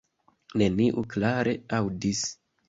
Neniu klare aŭdis.